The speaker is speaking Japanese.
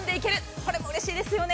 これもうれしいですよね。